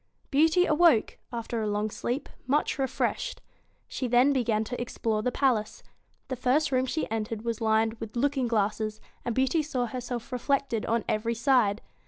Beauty awoke, after a long sleep, much refreshed. She then began to explore the palace. The first room she entered was lined with looking glasses, and Beauty saw herself reflected on every side.